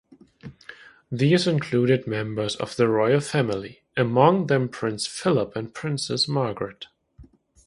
These included members of the Royal family, among them Prince Philip and Princess Margaret.